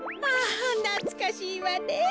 あなつかしいわね。